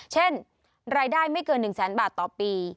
เช่นรายได้ไม่เกิน๑แสนบาทต่อปี